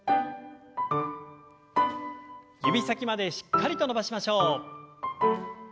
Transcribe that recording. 指先までしっかりと伸ばしましょう。